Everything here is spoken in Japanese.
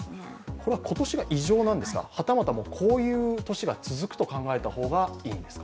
これは今年が異常なんですが、はたまたこういう年が続くと考えた方がいいんですか。